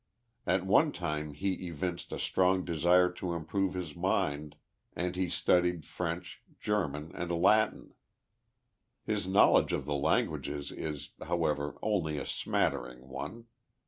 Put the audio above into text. At one time he evinced a strong desire to improve his mind, and lie studied French, German and Latin. His knowl edge of the languages is, however, only a smattering one.